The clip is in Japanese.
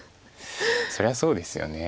そりゃそうですよね。